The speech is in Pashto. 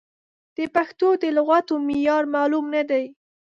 د پښتو د لغتونو معیار معلوم نه دی.